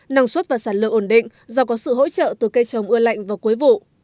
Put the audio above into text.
năng suất và sản lượng ổn định do có sự hỗ trợ từ cây trồng ưa lạnh vào cuối vụ